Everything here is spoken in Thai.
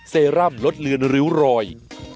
เซรั่มลดเลือนริ้วรอย